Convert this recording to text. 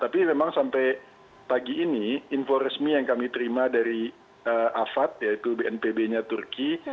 tapi memang sampai pagi ini info resmi yang kami terima dari afad yaitu bnpb nya turki